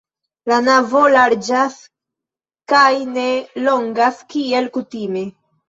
La navo larĝas kaj ne longas, kiel kutime.